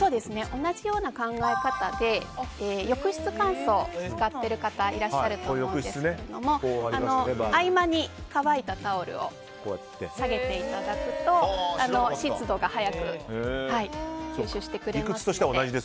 同じような考え方で浴室乾燥を使ってる方いらっしゃると思うんですが合間に乾いたタオルを下げていただくと湿度が早く吸収してくれますので。